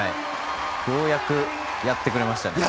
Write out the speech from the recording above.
ようやくやってくれましたね。